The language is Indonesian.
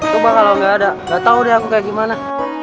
coba kalau nggak ada gak tau deh aku kayak gimana